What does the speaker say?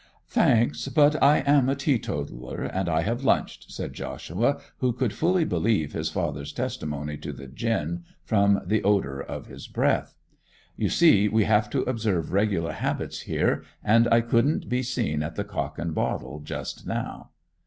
'Thanks; but I am a teetotaller; and I have lunched,' said Joshua, who could fully believe his father's testimony to the gin, from the odour of his breath. 'You see we have to observe regular habits here; and I couldn't be seen at the Cock and Bottle just now.